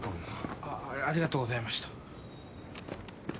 あありがとうございました。